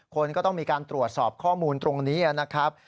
คนก็ต้องมีการตรวจสอบข้อมูลตรงนี้นะครับ